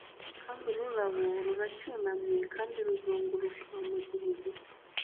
Kandi ururabo ruracyunamye kandi ruzunguruka mugihe gito